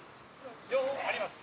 両方あります。